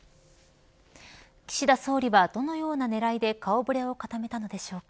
岸田総理は、どのような狙いで顔触れを固めたのでしょうか。